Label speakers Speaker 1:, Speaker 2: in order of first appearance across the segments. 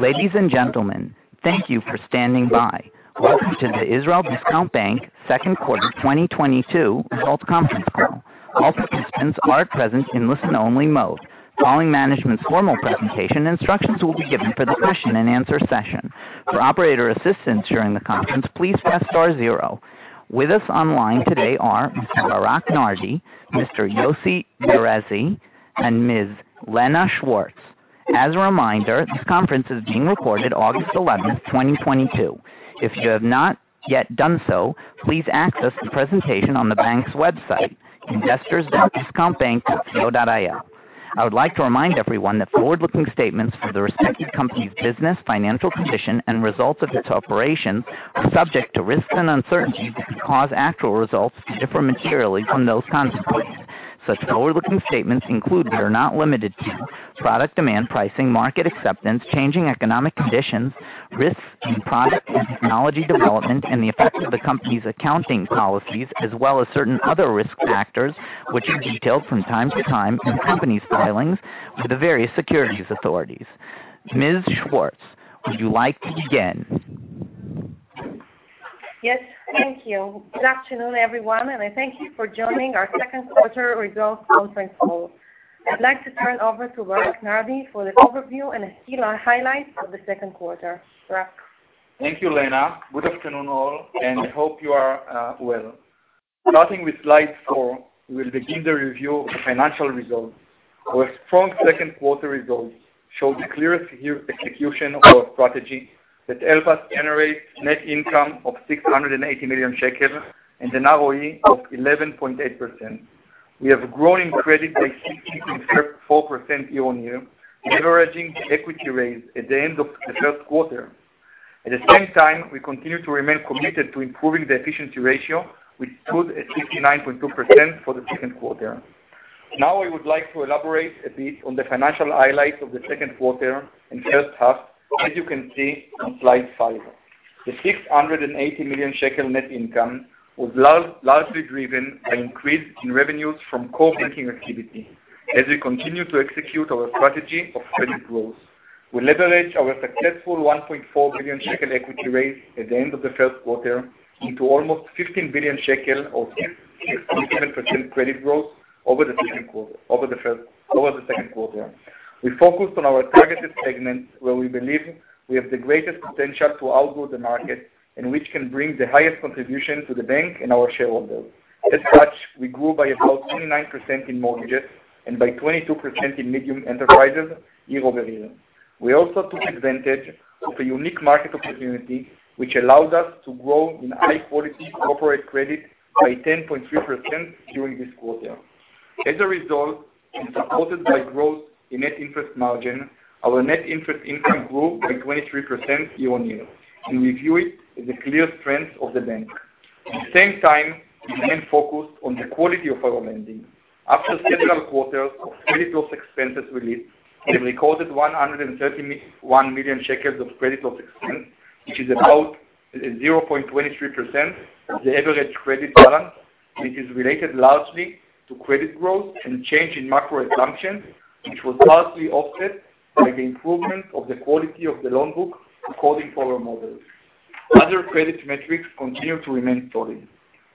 Speaker 1: Ladies and gentlemen, thank you for standing by. Welcome to the Israel Discount Bank Q2 2022 results conference call. All participants are present in listen-only mode. Following management's formal presentation, instructions will be given for the question and answer session. For operator assistance during the conference, please press star zero. With us online today are Mr. Barak Nardi, Mr. Joseph Beressi, and Ms. Lena Schwartz. As a reminder, this conference is being recorded August 11, 2022. If you have not yet done so, please access the presentation on the bank's website, investors.discountbank.co.il. I would like to remind everyone that forward-looking statements for the respective company's business, financial position and results of its operation are subject to risks and uncertainties that could cause actual results to differ materially from those contemplated. Such forward-looking statements include, but are not limited to, product demand pricing, market acceptance, changing economic conditions, risks in product and technology development, and the effects of the company's accounting policies, as well as certain other risk factors, which are detailed from time to time in the company's filings with the various securities authorities. Ms. Schwartz, would you like to begin?
Speaker 2: Yes, thank you. Good afternoon, everyone, and I thank you for joining our Q2 results conference call. I'd like to turn over to Barak Nardi for the overview and a few highlights of the Q2. Barak.
Speaker 3: Thank you, Lena. Good afternoon, all, and I hope you are well. Starting with slide 4, we will begin the review of the financial results. Our strong Q2 results show the clear execution of our strategy that help us generate net income of 680 million shekels and an ROE of 11.8%. We have grown in credit by 16.4% year-on-year, leveraging the equity raise at the end of the Q1. At the same time, we continue to remain committed to improving the efficiency ratio, which stood at 69.2% for the Q2. Now I would like to elaborate a bit on the financial highlights of the Q2 and first half, as you can see on slide 5. The 680 million shekel net income was largely driven by increase in revenues from core banking activity, as we continue to execute our strategy of credit growth. We leverage our successful 1.4 billion shekel equity raise at the end of the Q1 into almost 15 billion shekel or 6.7% credit growth over the Q2. We focused on our targeted segments where we believe we have the greatest potential to outgrow the market and which can bring the highest contribution to the bank and our shareholders. As such, we grew by about 29% in mortgages and by 22% in medium enterprises year over year. We also took advantage of a unique market opportunity, which allowed us to grow in high-quality corporate credit by 10.3% during this quarter. As a result, and supported by growth in net interest margin, our net interest income grew by 23% year-on-year, and we view it as a clear strength of the bank. At the same time, we remain focused on the quality of our lending. After several quarters of credit loss expenses release, we have recorded 131 million of credit loss expense, which is about 0.23% of the average credit balance, which is related largely to credit growth and change in macro assumptions, which was partly offset by the improvement of the quality of the loan book according to our models. Other credit metrics continue to remain solid.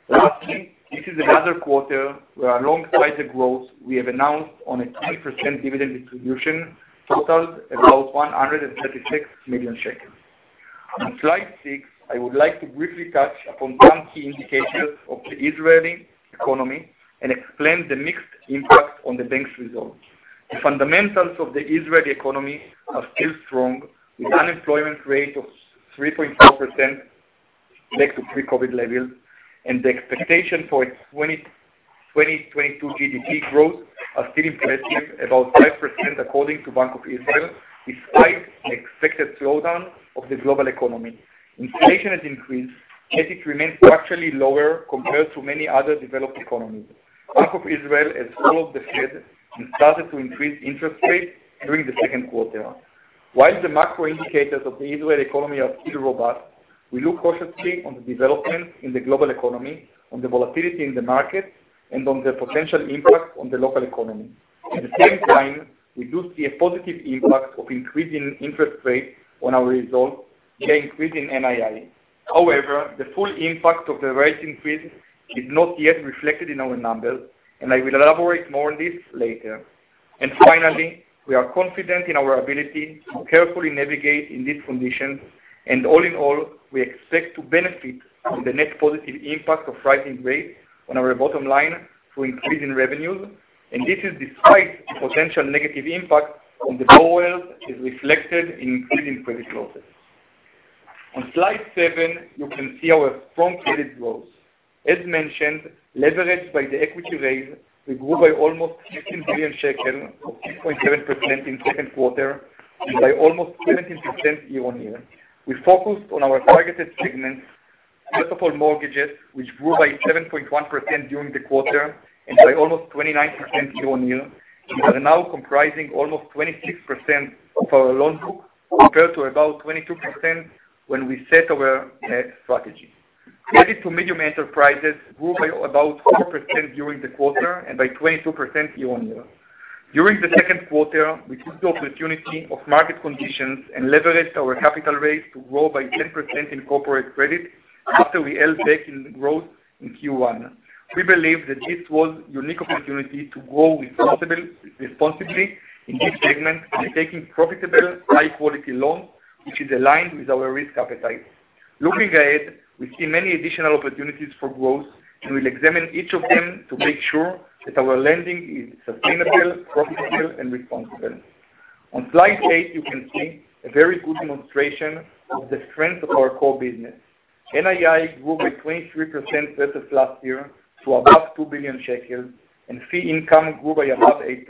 Speaker 3: Lastly, this is another quarter where alongside the growth, we have announced on a 10% dividend distribution totaled about 136 million shekels. On slide six, I would like to briefly touch upon some key indicators of the Israeli economy and explain the mixed impact on the bank's results. The fundamentals of the Israeli economy are still strong, with unemployment rate of 3.4% back to pre-COVID levels, and the expectation for its 2022 GDP growth are still impressive, about 5% according to Bank of Israel, despite an expected slowdown of the global economy. Inflation has increased, yet it remains structurally lower compared to many other developed economies. Bank of Israel has followed the Fed and started to increase interest rates during the Q2. While the macro indicators of the Israeli economy are still robust, we look cautiously on the development in the global economy, on the volatility in the market, and on the potential impact on the local economy. At the same time, we do see a positive impact of increasing interest rates on our results by increasing NII. However, the full impact of the rate increase is not yet reflected in our numbers, and I will elaborate more on this later. Finally, we are confident in our ability to carefully navigate in these conditions. All in all, we expect to benefit from the net positive impact of rising rates on our bottom line through increasing revenues, and this is despite the potential negative impact on the borrowers is reflected in increasing credit losses. On slide 7, you can see our strong credit growth. As mentioned, leveraged by the equity raise, we grew by almost 15 billion shekel or 6.7% in Q2 and by almost 17% year-on-year. We focused on our targeted segments, first of all, mortgages, which grew by 7.1% during the quarter and by almost 29% year-on-year and are now comprising almost 26% of our loan book, compared to about 22% when we set our net strategy. Added to medium enterprises grew by about 4% during the quarter and by 22% year-on-year. During the Q2, we took the opportunity of market conditions and leveraged our capital rates to grow by 10% in corporate credit after we held back in growth in Q1. We believe that this was unique opportunity to grow responsibly in this segment by taking profitable high-quality loans, which is aligned with our risk appetite. Looking ahead, we see many additional opportunities for growth, and we'll examine each of them to make sure that our lending is sustainable, profitable, and responsible. On slide eight, you can see a very good demonstration of the strength of our core business. NII grew by 23% versus last year to above 2 billion shekels, and fee income grew by about 8%.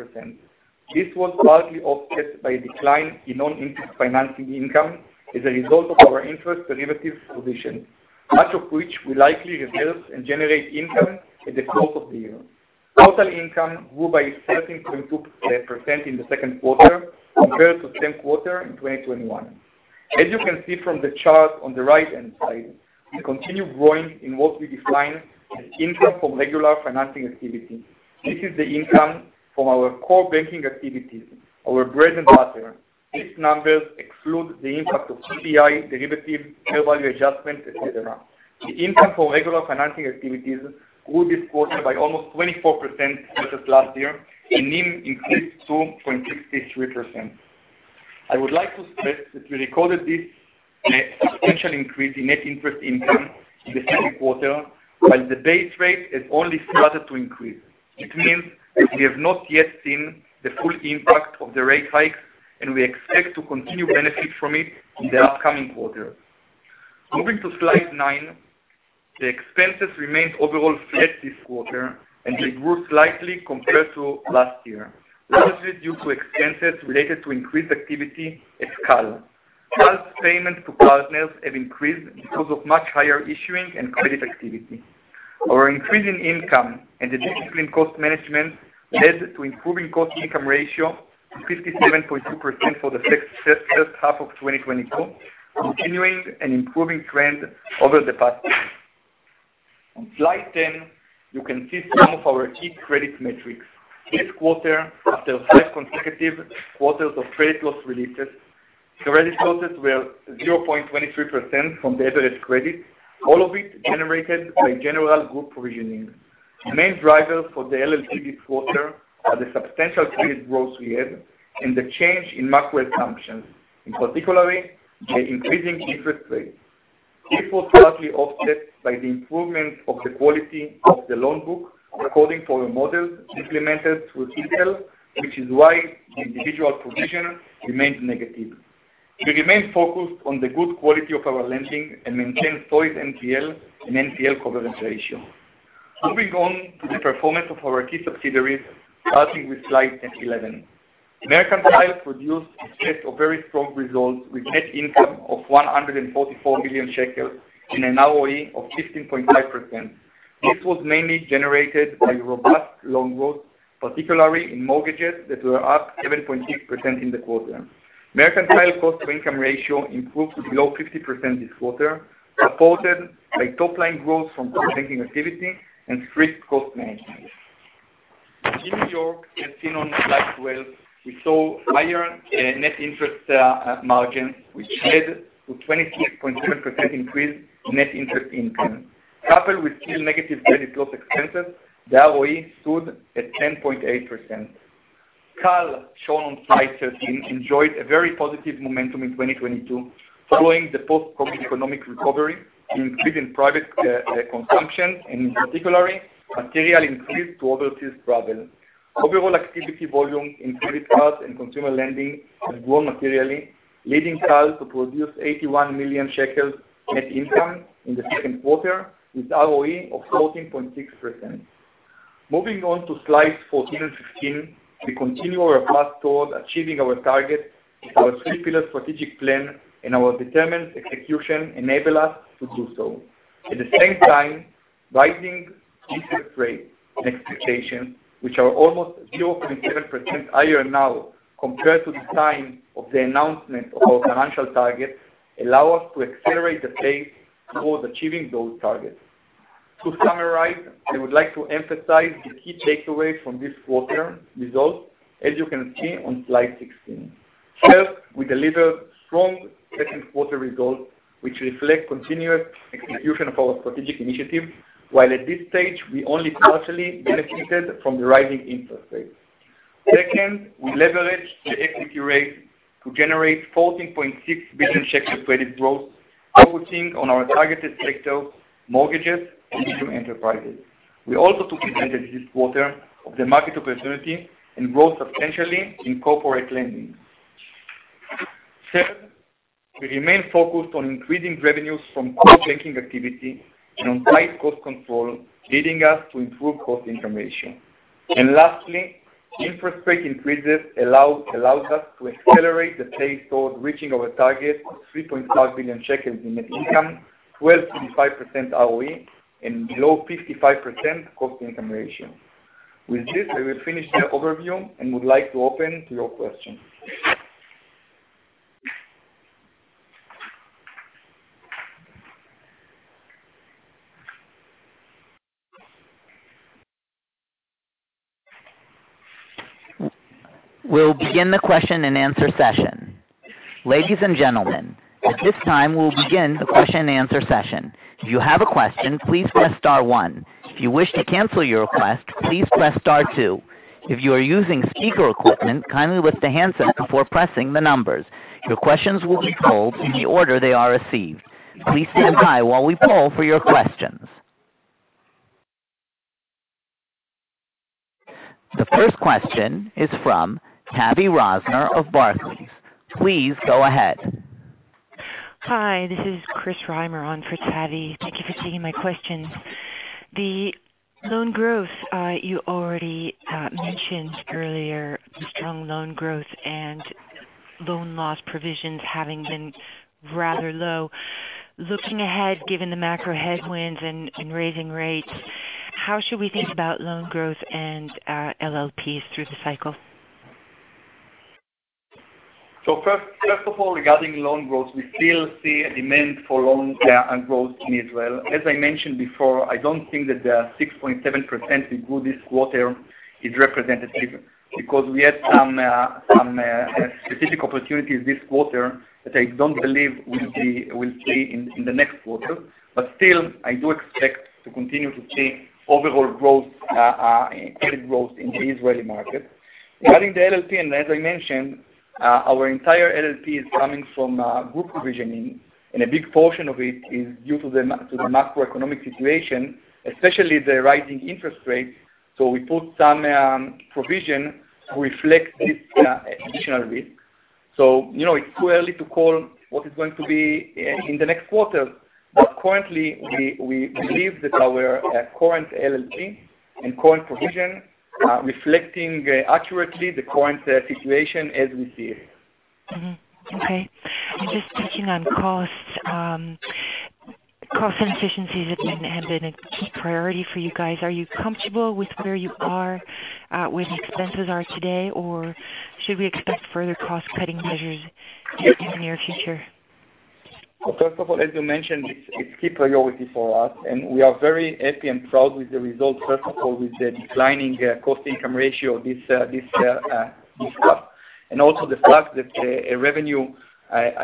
Speaker 3: This was partly offset by a decline in non-interest financing income as a result of our interest derivative position, much of which will likely reserve and generate income at the close of the year. Total income grew by 13.2% in the Q2 compared to same quarter in 2021. As you can see from the chart on the right-hand side, we continue growing in what we define as income from regular financing activity. This is the income from our core banking activities, our bread and butter. These numbers exclude the impact of CPI, derivative, fair value adjustment, etc. The income for regular financing activities grew this quarter by almost 24% versus last year, and NIM increased to 0.63%. I would like to stress that we recorded this substantial increase in net interest income in the Q2, while the base rate has only started to increase. It means that we have not yet seen the full impact of the rate hikes, and we expect to continue to benefit from it in the upcoming quarter. Moving to slide 9. The expenses remained overall flat this quarter, and they grew slightly compared to last year, largely due to expenses related to increased activity at CAL. CAL's payment to partners have increased because of much higher issuing and credit activity. Our increasing income and the disciplined cost management led to improving cost-income ratio to 57.2% for the first half of 2024, continuing an improving trend over the past years. On slide 10, you can see some of our key credit metrics. This quarter, after five consecutive quarters of credit loss releases, the credit losses were 0.23% of the average credit, all of it generated by general group provisioning. The main drivers for the LLP this quarter are the substantial credit growth we had and the change in macro assumptions, in particular the increasing interest rates. This was partly offset by the improvement of the quality of the loan book according to our models implemented through ECL, which is why the individual provision remains negative. We remain focused on the good quality of our lending and maintain solid NPL and NPL coverage ratio. Moving on to the performance of our key subsidiaries, starting with slide 11. Mercantile produced a set of very strong results with net income of 144 million shekels and an ROE of 15.5%. This was mainly generated by robust loan growth, particularly in mortgages that were up 7.6% in the quarter. Mercantile cost to income ratio improved to below 50% this quarter, supported by top-line growth from core banking activity and strict cost management. In New York, as seen on slide 12, we saw higher net interest margin, which led to 26.7% increase in net interest income. Coupled with still negative credit loss expenses, the ROE stood at 10.8%. CAL, shown on slide 13, enjoyed a very positive momentum in 2022. Following the post-COVID economic recovery, including private consumption and particularly material increase to overseas travel. Overall activity volume in credit cards and consumer lending has grown materially, leading Cal to produce 81 million shekels net income in the Q2, with ROE of 14.6%. Moving on to slides 14 and 15. We continue our path toward achieving our target as our three-pillar strategic plan and our determined execution enable us to do so. At the same time, rising interest rates and expectations, which are almost 0.7% higher now compared to the time of the announcement of our financial targets, allow us to accelerate the pace towards achieving those targets. To summarize, I would like to emphasize the key takeaways from this quarter results, as you can see on slide 16. First, we delivered strong Q2 results, which reflect continuous execution of our strategic initiative, while at this stage, we only partially benefited from the rising interest rates. Second, we leveraged the equity rate to generate 14.6 billion shekel credit growth, focusing on our targeted sectors, mortgages and medium enterprises. We also took advantage this quarter of the market opportunity and grew substantially in corporate lending. Third, we remain focused on increasing revenues from our banking activity and on tight cost control, leading us to improve cost-income ratio. Lastly, interest rate increases allows us to accelerate the pace towards reaching our target of 3.5 billion shekels in net income, 12%-15% ROE, and below 55% cost-income ratio. With this, I will finish the overview and would like to open to your questions.
Speaker 1: We'll begin the question and answer session. Ladies and gentlemen, at this time, we'll begin the question and answer session. If you have a question, please press star one. If you wish to cancel your request, please press star two. If you are using speaker equipment, kindly lift the handset before pressing the numbers. Your questions will be polled in the order they are received. Please stand by while we poll for your questions. The first question is from Tavy Rosner of Barclays. Please go ahead.
Speaker 4: Hi, this is Chris Reimer on for Tavy. Thank you for taking my questions. The loan growth, you already mentioned earlier, strong loan growth and loan loss provisions having been rather low. Looking ahead, given the macro headwinds and raising rates, how should we think about loan growth and LLPs through the cycle?
Speaker 3: First of all, regarding loan growth, we still see a demand for loans and growth in Israel. As I mentioned before, I don't think that the 6.7% we grew this quarter is representative because we had some specific opportunities this quarter that I don't believe we'll see in the next quarter. But still, I do expect to continue to see overall growth, credit growth in the Israeli market. Regarding the LLP, as I mentioned, our entire LLP is coming from group provisioning and a big portion of it is due to the macroeconomic situation, especially the rising interest rates. We put some provision to reflect this, additionally. You know, it's too early to call what is going to be in the next quarter. Currently, we believe that our current LLP and current provision are reflecting accurately the current situation as we see it.
Speaker 4: Okay. Just touching on costs, cost efficiencies have been a key priority for you guys. Are you comfortable with where you are, where your expenses are today? Or should we expect further cost-cutting measures in the near future?
Speaker 3: Well, first of all, as you mentioned, it's key priority for us, and we are very happy and proud with the results, first of all, with the declining cost-income ratio this quarter. Also the fact that revenue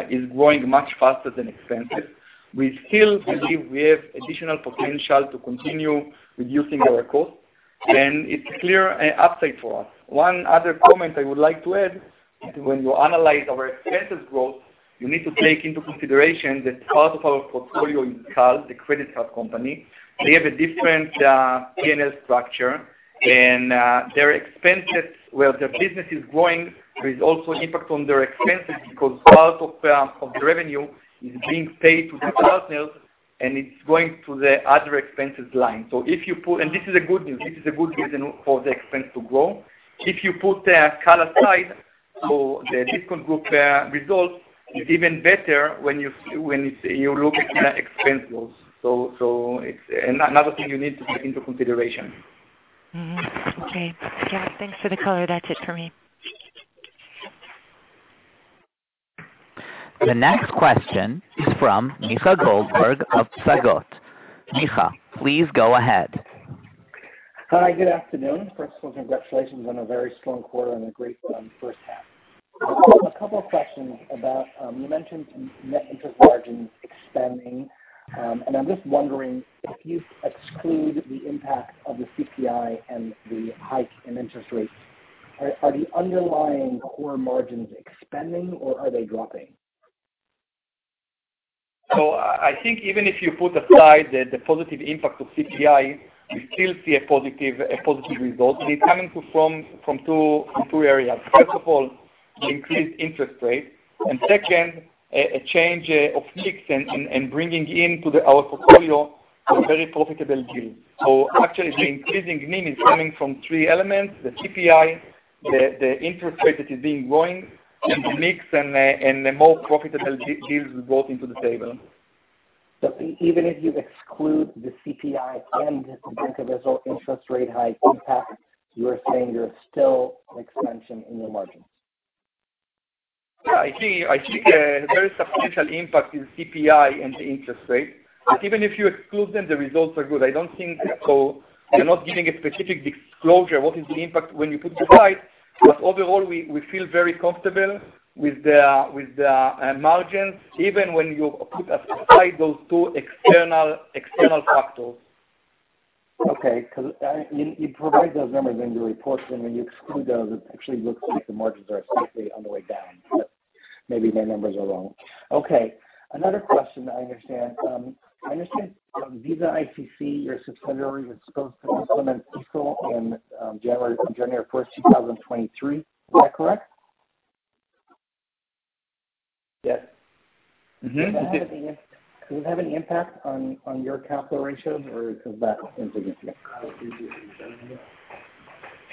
Speaker 3: is growing much faster than expenses. We still believe we have additional potential to continue reducing our costs, and it's clear upside for us. One other comment I would like to add, when you analyze our expenses growth, you need to take into consideration that part of our portfolio is CAL, the credit card company. They have a different P&L structure and their expenses, where their business is growing, there is also impact on their expenses because part of the revenue is being paid to the partners and it's going to the other expenses line. If you put CAL aside, this is good news, this is a good reason for the expense to grow. If you put CAL aside, the Discount Group result is even better when you look at expense growth. It's another thing you need to take into consideration.
Speaker 4: Okay. Yeah, thanks for the color. That's it for me.
Speaker 1: The next question is from Micha Goldberg of Psagot. Micha, please go ahead.
Speaker 5: Hi, good afternoon. First of all, congratulations on a very strong quarter and a great first half. A couple of questions about you mentioned net interest margins expanding, and I'm just wondering if you exclude the impact of the CPI and the hike in interest rates, are the underlying core margins expanding or are they dropping?
Speaker 3: I think even if you put aside the positive impact of CPI, we still see a positive result. It's coming from 2 areas. First of all, increased interest rates, and second, a change of mix and bringing into our portfolio a very profitable deal. So actually, the increasing NIM is coming from 3 elements, the CPI, the interest rate that is being growing, mix, and the more profitable deals we brought into the table.
Speaker 5: Even if you exclude the CPI and the Bank of Israel interest rate hike impact, you are saying there's still expansion in your margins?
Speaker 3: I think there is substantial impact in CPI and the interest rate, but even if you exclude them, the results are good. I don't think. I'm not giving a specific disclosure what is the impact when you put it aside. Overall, we feel very comfortable with the margins even when you put aside those two external factors.
Speaker 5: Okay. 'Cause you provide those numbers in your reports, and when you exclude those, it actually looks like the margins are slightly on the way down, but maybe my numbers are wrong. Okay. Another question, I understand. I understand Visa ICC, your subsidiary, is supposed to implement CISL on January first, 2023. Is that correct?
Speaker 3: Yes. Mm-hmm.
Speaker 5: Does it have any impact on your capital ratios, or is that insignificant?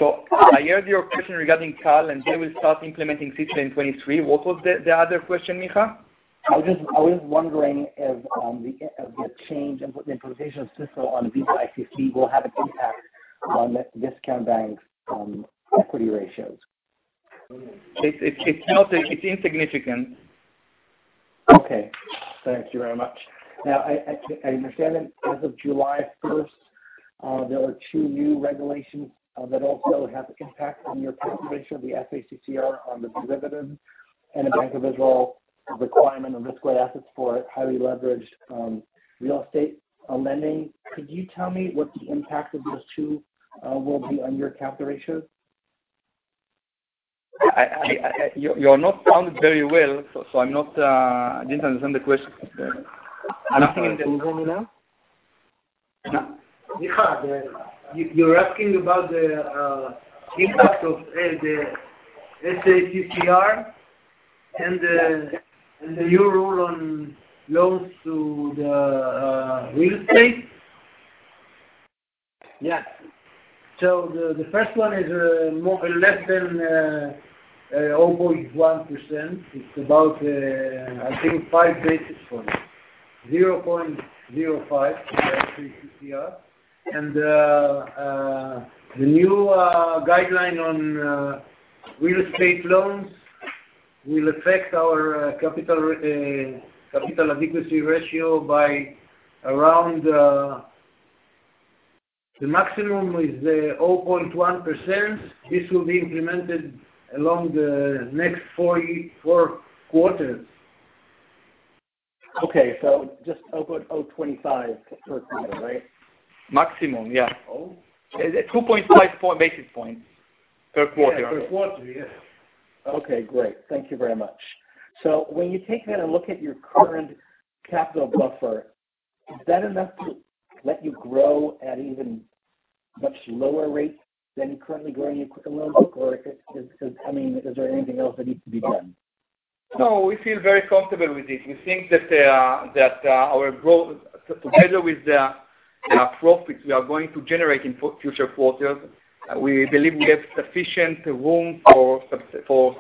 Speaker 3: I heard your question regarding CAL, and they will start implementing CISL in 2023. What was the other question, Micha?
Speaker 5: I was wondering if the change and the implementation of CECL on CET1 will have an impact on Discount Bank's equity ratios.
Speaker 3: It's insignificant.
Speaker 5: Okay. Thank you very much. Now, I understand that as of July first, there were two new regulations that also have impact on your calculation of the FCCR on the dividend and the Bank of Israel requirement on risk assets for highly leveraged real estate lending. Could you tell me what the impact of those two will be on your capital ratios?
Speaker 3: I didn't understand the question.
Speaker 5: Anything in Hebrew, you know?
Speaker 3: No.
Speaker 6: Micha, you're asking about the impact of the FCCR and the new rule on loans to the real estate?
Speaker 5: Yes.
Speaker 6: The first one is less than 0.1%. It's about, I think, five basis points. 0.05 FCCR. The new guideline on real estate loans will affect our capital adequacy ratio by around the maximum 0.1%. This will be implemented over the next four quarters.
Speaker 5: Okay. Just 0.025%, right?
Speaker 3: Maximum, yeah.
Speaker 5: Oh. 2.54 basis points?
Speaker 3: Per quarter.
Speaker 6: Yeah, per quarter, yeah.
Speaker 5: Okay, great. Thank you very much. When you take that and look at your current capital buffer, is that enough to let you grow at even much lower rates than you're currently growing your quick loan book or is, I mean, is there anything else that needs to be done?
Speaker 3: No, we feel very comfortable with this. We think that our growth, together with the profits we are going to generate in future quarters, we believe we have sufficient room for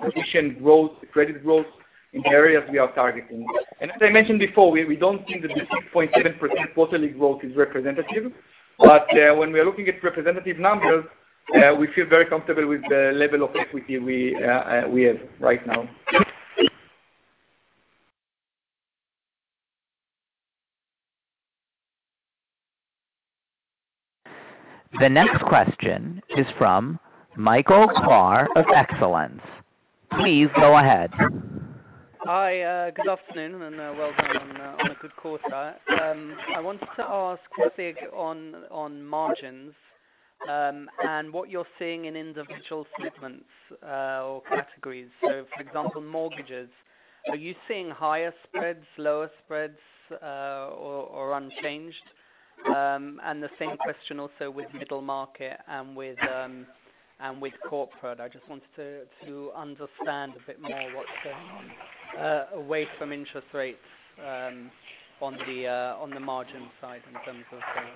Speaker 3: sufficient growth, credit growth in areas we are targeting. As I mentioned before, we don't think that the 6.7% quarterly growth is representative. When we are looking at representative numbers, we feel very comfortable with the level of equity we have right now.
Speaker 1: The next question is from Michael Klahr of Excellence. Please go ahead.
Speaker 7: Hi, good afternoon and, well done on a good quarter. I wanted to ask a bit on margins, and what you're seeing in individual segments, or categories. For example, mortgages, are you seeing higher spreads, lower spreads, or unchanged? And the same question also with middle market and with corporate. I just wanted to understand a bit more what's going on, away from interest rates, on the margin side in terms of the.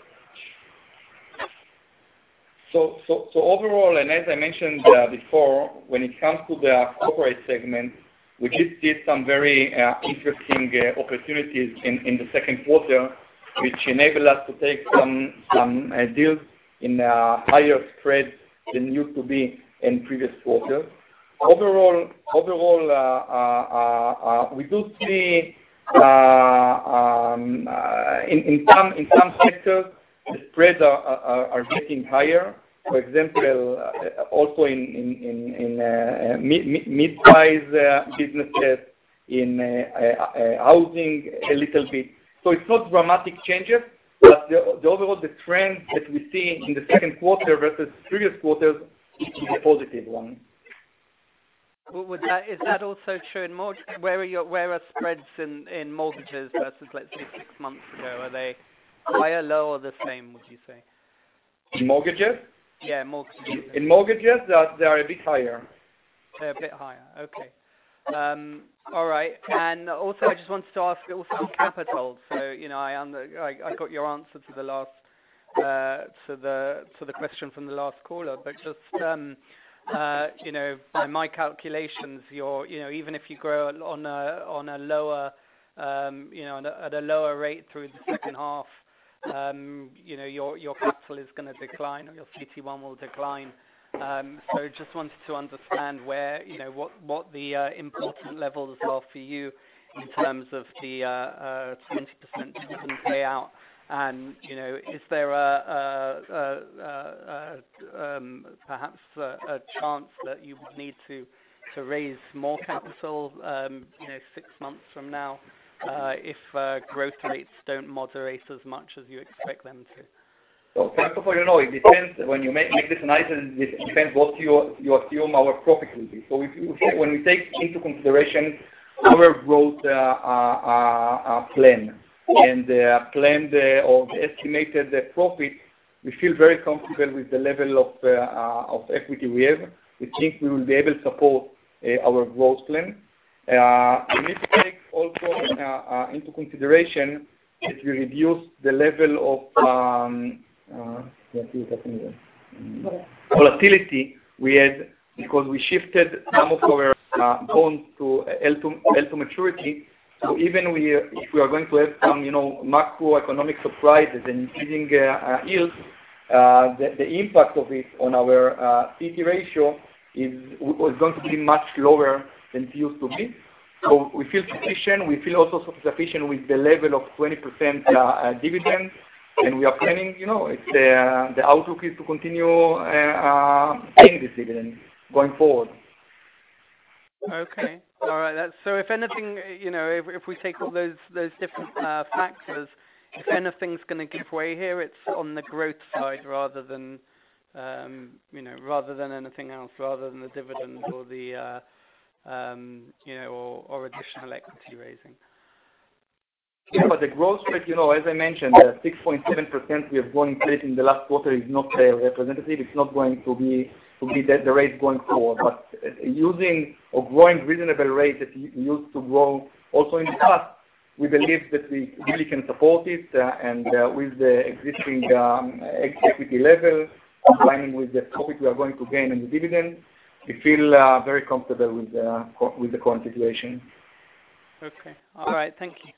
Speaker 3: Overall, as I mentioned before, when it comes to the corporate segment, we did see some very interesting opportunities in the Q2, which enabled us to take some deals in higher spreads than used to be in previous quarters. Overall, we do see, in some sectors, the spreads are getting higher. For example, also in mid-size businesses, in housing a little bit. It's not dramatic changes, but the overall trend that we see in the Q2 versus previous quarters is a positive one.
Speaker 7: Well, is that also true in mortgages? Where are spreads in mortgages versus, let's say, six months ago? Are they higher, lower, or the same, would you say?
Speaker 3: In mortgages?
Speaker 7: Yeah, mortgages.
Speaker 3: In mortgages, they are a bit higher.
Speaker 7: They're a bit higher. Okay. All right. Also, I just wanted to ask also on capital. You know, I got your answer to the last question from the last caller. Just, you know, by my calculations, your capital is gonna decline and your CET1 will decline even if you grow at a lower rate through the second half. Just wanted to understand where, you know, what the important levels are for you in terms of the 20% dividend payout. You know, is there perhaps a chance that you would need to raise more capital, you know, six months from now, if growth rates don't moderate as much as you expect them to?
Speaker 3: First of all, you know, it depends. When you make this analysis, it depends what you assume our profit will be. When we take into consideration our growth plan or estimated the profit, we feel very comfortable with the level of equity we have. We think we will be able to support our growth plan. We need to take also into consideration that we reduce the level of volatility we had because we shifted some of our bonds to held to maturity. If we are going to have some, you know, macroeconomic surprises in increasing yields, the impact of it on our equity ratio was going to be much lower than it used to be. We feel sufficient. We feel also sufficient with the level of 20% dividends, and we are planning, you know, if the outlook is to continue paying this dividend going forward.
Speaker 7: Okay. All right. If anything, you know, if we take all those different factors, if anything's gonna give way here, it's on the growth side rather than, you know, rather than anything else, rather than the dividends or the, you know, or additional equity raising.
Speaker 3: Yeah. The growth rate, you know, as I mentioned, the 6.7% we have grown in Q1 in the last quarter is not representative. It's not going to be the rate going forward. Using a reasonable growth rate that we used to grow also in the past, we believe that we really can support it, and with the existing equity level aligning with the target we are going to gain in the dividend. We feel very comfortable with the current situation.
Speaker 7: Okay. All right. Thank you.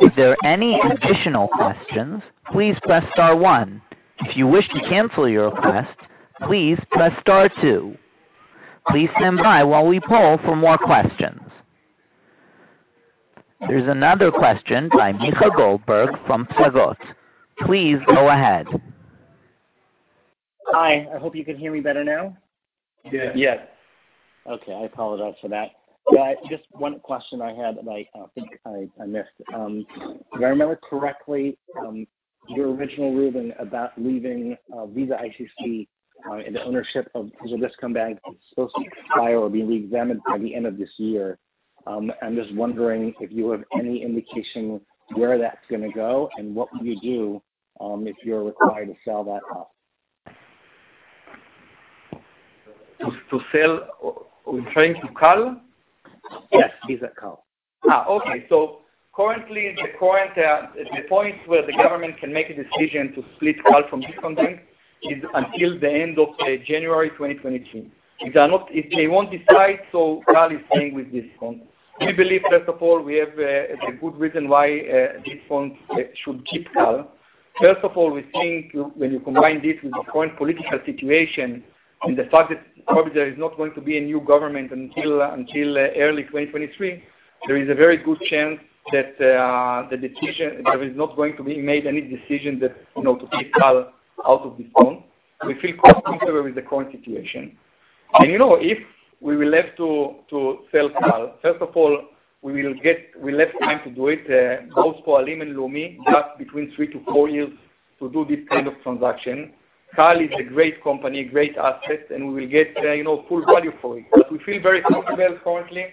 Speaker 1: If there are any additional questions, please press star one. If you wish to cancel your request, please press star two. Please stand by while we poll for more questions. There's another question by Micha Goldberg from Psagot. Please go ahead.
Speaker 5: Hi. I hope you can hear me better now.
Speaker 3: Yeah.
Speaker 5: Okay. I apologize for that. Yeah, just one question I had, and I think I missed. If I remember correctly, your original ruling about leaving ICC and the ownership of Israel Discount Bank is supposed to expire or be reexamined by the end of this year. I'm just wondering if you have any indication where that's gonna go, and what will you do if you're required to sell that off?
Speaker 3: We're trying to CAL?
Speaker 5: Yes, Visa CAL.
Speaker 3: Currently, the point where the government can make a decision to split CAL from Discount Bank is until the end of January 2022. If they won't decide, so CAL is staying with Discount. We believe, first of all, we have a good reason why Discount should keep CAL. First of all, we think when you combine this with the current political situation and the fact that probably there is not going to be a new government until early 2023, there is a very good chance that there is not going to be made any decision that, you know, to take CAL out of Discount. We feel quite comfortable with the current situation. You know, if we will have to sell CAL, first of all, we will get. We'll have time to do it. Both Poalim and Leum got between 3-4 years to do this kind of transaction. CAL is a great company, great asset, and we will get, you know, full value for it. We feel very comfortable currently,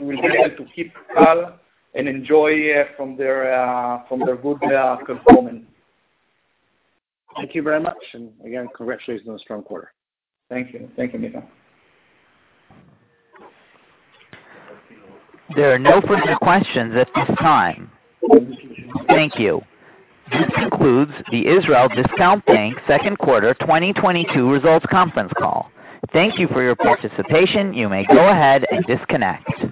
Speaker 3: we will be able to keep CAL and enjoy from their good performance.
Speaker 5: Thank you very much. Again, congratulations on a strong quarter.
Speaker 3: Thank you. Thank you, Micha.
Speaker 1: There are no further questions at this time. Thank you. This concludes the Israel Discount Bank Q2 2022 results conference call. Thank you for your participation. You may go ahead and disconnect.